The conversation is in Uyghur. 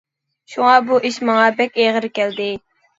شۇڭا، بۇ ئىش ماڭا بەك ئېغىر كەلدى.